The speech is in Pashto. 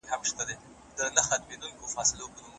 چي له هري خوا یې ګورم توري شپې توري تیارې وي